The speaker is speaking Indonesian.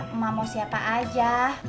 emak mau siapa aja